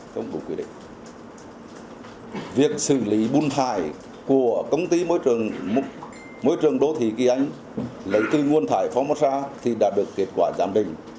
thứ hai là việc xử lý nguồn thải của công ty môi trường đô thị kỳ anh lấy tư nguồn thải phomosa thì đã được kết quả giảm đình